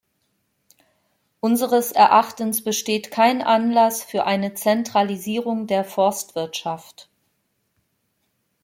Unseres Erachtens besteht kein Anlass für eine Zentralisierung der Forstwirtschaft.